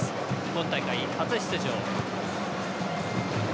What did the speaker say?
今大会初出場。